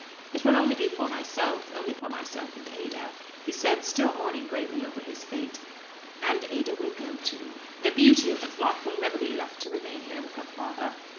"It will only be for myself, only for myself and Ada," he said, still mourning greatly over his fate. "And Ada will go, too. The beauty of the flock will never be left to remain here with her father."